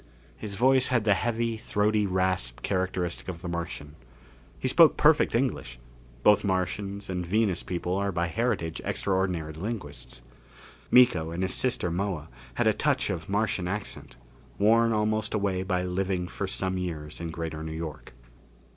His voice had the heavy, throaty rasp characteristic of the Martian. He spoke perfect English both Martians and Venus people are by heritage extraordinary linguists. Miko and his sister Moa, had a touch of Martian accent, worn almost away by living for some years in Greater New York.